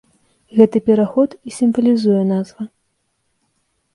Гэты пераход і сімвалізуе назва.